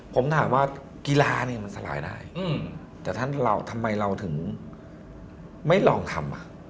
ผมถามว่ากีฬาเนี่ยมันสลายได้แต่ถ้าเราทำไมเราถึงไม่ลองทำ